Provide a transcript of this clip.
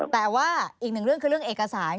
แต่ว่าอีกหนึ่งเรื่องคือเรื่องเอกสาร